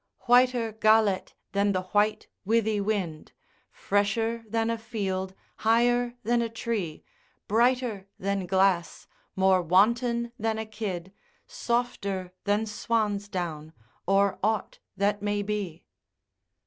Whiter Galet than the white withie wind, Fresher than a field, higher than a tree, Brighter than glass, more wanton than a kid, Softer than swan's down, or ought that may be.